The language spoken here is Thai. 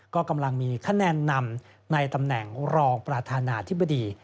ก็กำลังมีคะแนนนำในตำแหน่งรองประธานาธิบดี